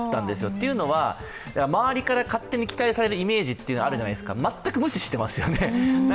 というのは、周りから勝手に期待されるイメージってあるじゃないですか全く無視してますよね。